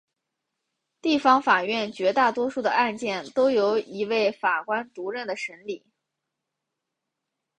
地方法院绝大多数的案件都由一位法官独任审理。